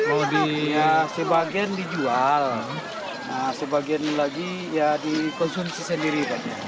oh di sebagian dijual sebagian lagi ya dikonsumsi sendiri